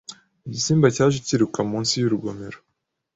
Igisimba cyaje kiruka munsi yurugomero